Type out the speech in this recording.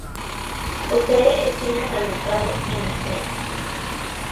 Posee espinas agrupados en estrella.